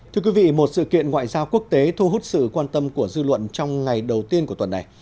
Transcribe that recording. thưa quý vị một sự kiện ngoại giao quốc tế thu hút sự quan tâm của dư luận trong ngày đầu tiên của tuần này